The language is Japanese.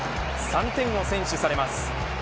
３点を先取されます。